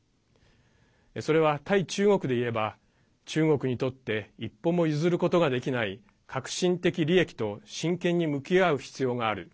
それは、対中国でいえば中国にとって一歩も譲ることができない核心的利益と真剣に向き合う必要がある。